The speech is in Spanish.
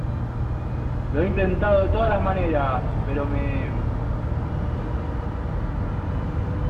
lo he intentado de todas las maneras, pero me...